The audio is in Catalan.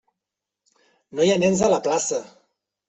No hi ha nens a la plaça!